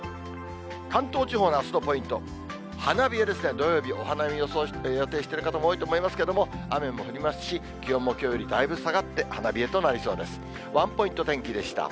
関東地方のあすのポイント、花冷えですね、土曜日、お花見予定している方も多いと思いますけれども、雨も降りますし、気温もきょうよりだいぶ下がって花冷えとなりそうです。